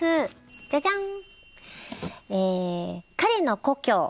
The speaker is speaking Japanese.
じゃじゃん！